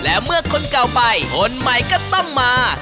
และเมื่อคนเก่าไปคนใหม่ก็ต้องมา